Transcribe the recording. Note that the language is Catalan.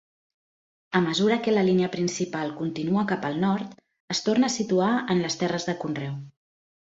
A mesura que la línia principal continua cap al nord, es torna a situar en les terres de conreu.